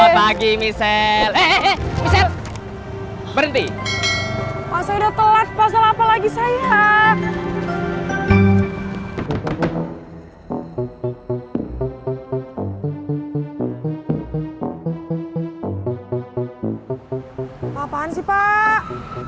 lagi misel eh berhenti pasal telat pasal apa lagi saya apaan sih pak